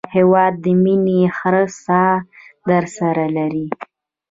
هېواد د مینې هره ساه درسره لري.